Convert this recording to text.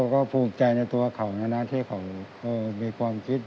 ก็ภูมิใจในตัวเขานะที่เขามีความคิด